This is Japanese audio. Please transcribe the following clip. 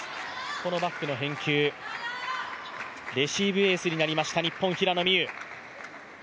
このバックの返球、レシーブエースになりました。